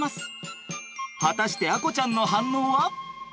果たして亜瑚ちゃんの反応は？